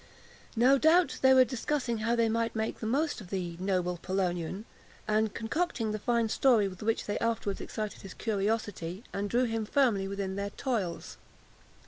No doubt they were discussing how they might make the most of the "noble Polonian," and concocting the fine story with which they afterwards excited his curiosity, and drew him firmly within their toils.